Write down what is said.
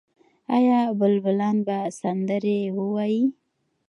آیا بلبلان به سندرې ووايي؟